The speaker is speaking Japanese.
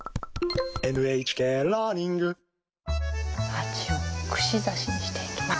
鉢を串刺しにしていきます。